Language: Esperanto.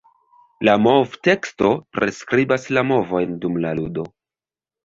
La movteksto priskribas la movojn dum la ludo.